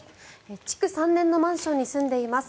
築３年のマンションに住んでいます。